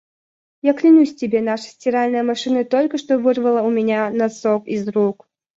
Я клянусь тебе, наша стиральная машина только что вырвала у меня носок из рук!